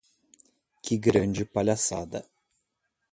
Que grande palhaçada.